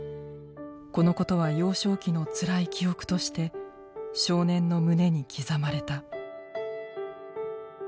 このことは幼少期のつらい記憶として少年の胸に刻まれた。